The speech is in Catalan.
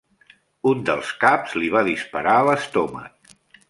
Un dels caps li va disparar a l'estómac.